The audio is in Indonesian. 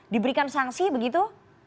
diberikan sanksi begitu